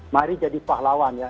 mari jadi pahlawan ya